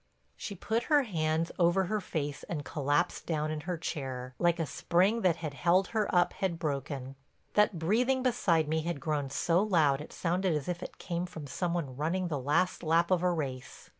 She put her hands over her face and collapsed down in her chair, like a spring that had held her up had broken. That breathing beside me had grown so loud it sounded as if it came from some one running the last lap of a race.